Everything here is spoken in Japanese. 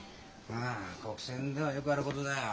ええ。ああ国選ではよくあることだよ。